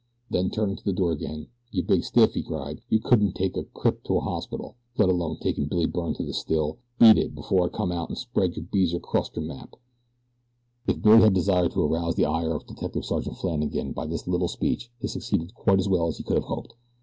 Then, turning to the door again, "You big stiff," he cried, "you couldn't take a crip to a hospital, let alone takin' Billy Byrne to the still. Beat it, before I come out an' spread your beezer acrost your map." If Billy had desired to arouse the ire of Detective Sergeant Flannagan by this little speech he succeeded quite as well as he could have hoped.